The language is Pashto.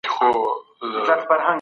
ده د پښتو ليکلي آثار زیات کړل